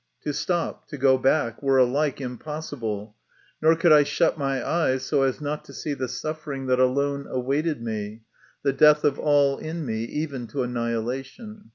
To stop, to go back, were alike impossible ; nor could I shut my eyes so as not to see the suffer ing that alone awaited me, the death of all in me, even to annihilation.